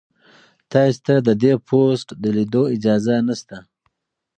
تاسي ته د دې پوسټ د لیدو اجازه نشته.